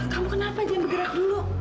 kamu kenapa jam bergerak dulu